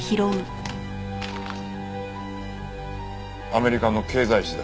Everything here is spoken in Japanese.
アメリカの経済誌だ。